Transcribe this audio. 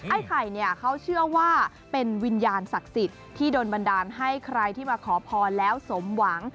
ไอ้ไข่เนี่ยเขาเชื่อว่าเป็นวิญญาณศักดิ์สิทธิ์ที่โดนบันดาลให้ใครที่มาขอพรแล้วสมหวัง